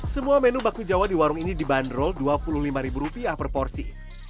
semua menu bakmi jawa di warung ini dibanderol dua puluh lima per porsi